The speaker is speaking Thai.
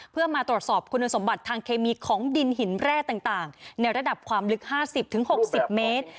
เพื่อมาตรวจสอบคุณสมบัติทางเคมีของดินหินแร่ต่างในระดับความลึก๕๐๖๐เมตร